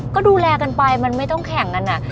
ก็ดูแลกันไปมันไม่ต้องแข่งกัน